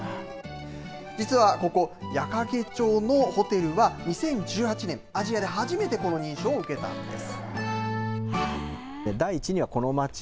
実はここ、矢掛町のホテルは２０１８年、アジアで初めてこの認証を受けたんです。